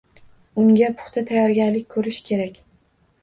Unga puxta tayyorgarlik ko`rish kerak